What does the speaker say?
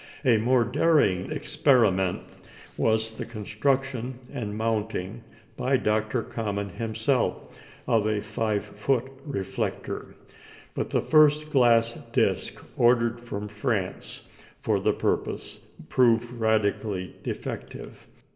A more daring experiment was the construction and mounting, by Dr. Common himself, of a 5 foot reflector. But the first glass disc ordered from France for the purpose proved radically defective.